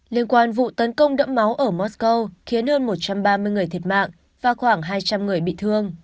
liên quan vụ tấn công đẫm máu ở mosco khiến hơn một trăm ba mươi người thiệt mạng và khoảng hai trăm linh người bị thương